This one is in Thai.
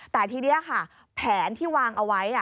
แต่ทีนี้ค่ะแผนที่วางเอาไว้